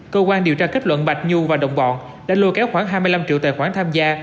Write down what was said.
cơ quan điều tra kết luận bạch nhu và đồng bọn đã lôi kéo khoảng hai mươi năm triệu tài khoản tham gia